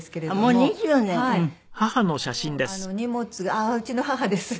あっうちの母です。